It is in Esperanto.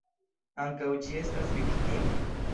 Ankaŭ ĝi estas viktimo.